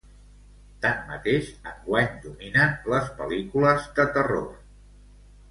Tanmateix, enguany dominen les pel·lícules de terror.